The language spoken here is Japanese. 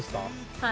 はい。